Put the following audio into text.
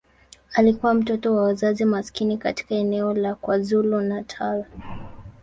Alikuwa mtoto wa wazazi maskini katika eneo la KwaZulu-Natal.